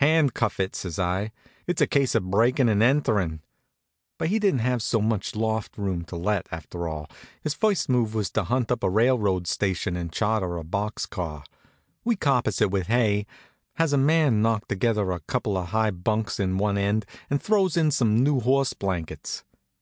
"Handcuff it," says I; "it's a case of breakin' and enterin'." But he didn't have so much loft room to let, after all. His first move was to hunt up a railroad station and charter a box car. We carpets it with hay, has a man knock together a couple of high bunks in one end, and throws in some new horse blankets.